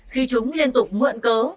khi chúng liên tục mượn cớ